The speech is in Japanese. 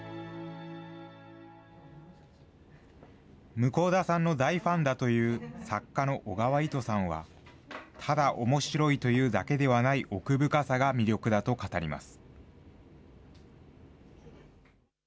向田さんの大ファンだという作家の小川糸さんは、ただおもしろいというだけではない奥深さが魅力だと語ります。